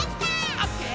「オッケー！